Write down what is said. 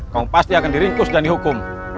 kaung pasti akan diringkus dan dihukum